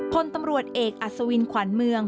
พลตำรวจเอกอัศวินขวัญเมือง